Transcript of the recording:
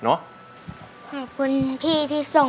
คุณแม่รู้สึกยังไงในตัวของกุ้งอิงบ้าง